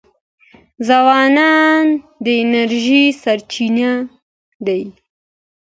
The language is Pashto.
ځوانان د انرژۍ سرچینه دي.